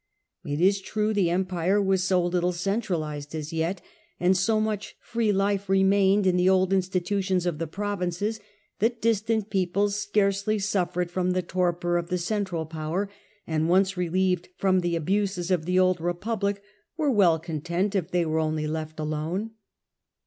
It is true the Empire was so little centralized as yet, and so much free life remained in the old institutions of the provinces, that distant peoples scarcely suffered from the torpor of the central power, and, once relieved from the abuses of the old Republic, were well content if they were only left alone.